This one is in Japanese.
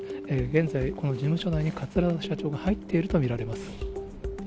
現在、この事務所内に桂田社長が入っていると見られます。